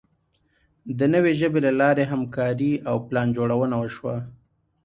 د نوې ژبې له لارې همکاري او پلانجوړونه وشوه.